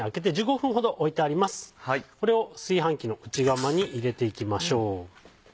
これを炊飯器の内釜に入れていきましょう。